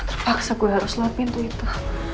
terpaksa gue harus lewat pintu itu